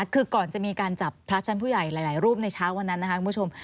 คือก่อนจะมีการจับพระชั้นผู้ใหญ่หลายรูปในเช้าวันนั้นนะคะคุณผู้ชม